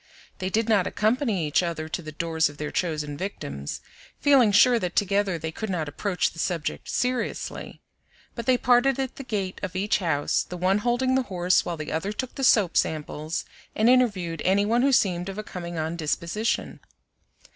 They did not accompany each other to the doors of their chosen victims, feeling sure that together they could not approach the subject seriously; but they parted at the gate of each house, the one holding the horse while the other took the soap samples and interviewed any one who seemed of a coming on disposition.